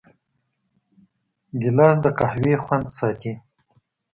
ګیلاس د قهوې خوند ساتي.